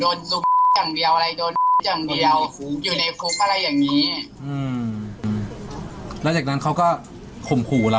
เหยียดเพศหนูอย่างเงี้ยหนูขึ้นเลยหนูก็เลยให้เขามาหน้าบ้านหนูเลยค่ะ